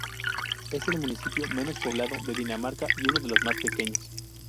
Es el municipio menos poblado de Dinamarca y uno de los más pequeños.